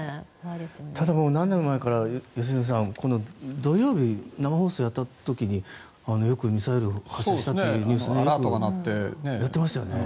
ただ、何年も前から良純さん、土曜日に生放送をやってる時によくミサイル発射したというニュースをやっていましたよね。